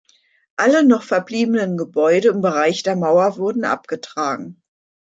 Alle noch verbliebenen Gebäude im Bereich der Mauer wurden abgetragen.